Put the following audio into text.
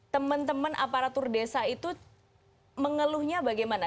teman teman aparatur desa itu mengeluhnya bagaimana